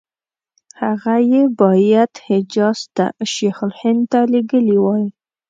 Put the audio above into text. هغه یې باید حجاز ته شیخ الهند ته لېږلي وای.